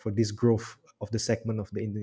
perbicaraan yang mereka hadapi